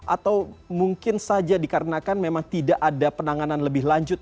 atau mungkin saja dikarenakan memang tidak ada penanganan lebih lanjut